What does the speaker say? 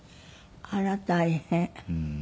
あら大変。